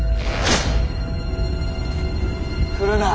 来るな！